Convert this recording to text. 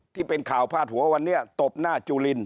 ที่เป็นข่าวพาดหัววันนี้ตบหน้าจุลิน